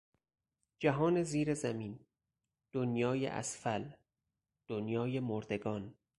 جهان زیر زمین، دنیای اسفل، دنیای مردگان